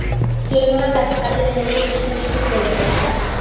জৈনরা তাঁকে তাঁদের ধর্মের পৃষ্ঠপোষক মনে করেন।